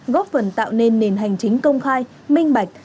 góp phần tạo nên nền hành chính công khai minh bạch